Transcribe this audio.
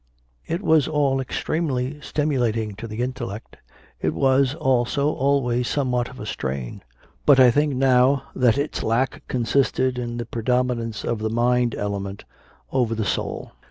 It was all extremely stimulating to the intellect; it was, also, always somewhat of a strain; but I think now that its lack consisted in the predominance of the mind element over the soul.